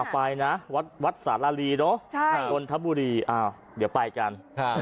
ไปนะวัดสารลีเนอะนนทบุรีเดี๋ยวไปกัน